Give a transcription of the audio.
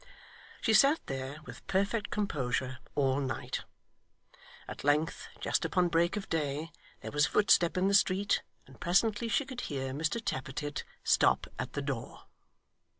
She sat there, with perfect composure, all night. At length, just upon break of day, there was a footstep in the street, and presently she could hear Mr Tappertit stop at the door.